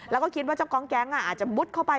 แล้วก็คิดว่าเจ้ากองแก๊งอาจจะมุดเข้าไป